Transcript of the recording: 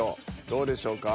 どうでしょうか？